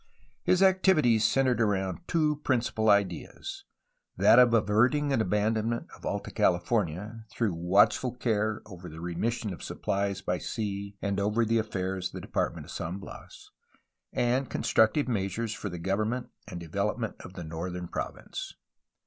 His activities centred around two principal ideas : that of averting an abandonment of Alta California, through watchful care over the remission of sup plies by sea and over the affairs of the Department of San Bias; and constructive measures for the government and development of the northern province.